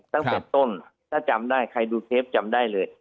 ตั้งแต่ต้นถ้าจำได้ใครดูเทปจำได้เลย